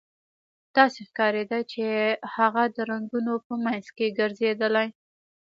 داسې ښکاریده چې هغه د رنګونو په مینځ کې ګرځیدلې